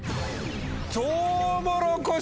「トウモロコシ」。